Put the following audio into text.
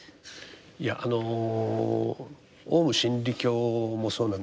いやあのオウム真理教もそうなんですがね